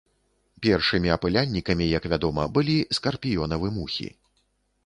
Першымі апыляльнікамі, як вядома, былі скарпіёнавы мухі.